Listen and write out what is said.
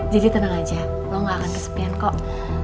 jadi tenang aja lo gak akan kesepian kok